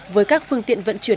với các phương tiện vận chuyển